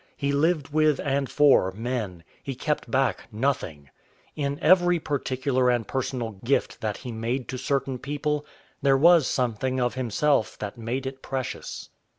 He lived with and for men. He kept back nothing. In every particular and personal gift that he made to certain people there was something of himself that made it precious.